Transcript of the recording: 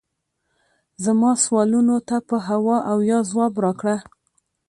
زما سوالونو ته په هو او یا ځواب راکړه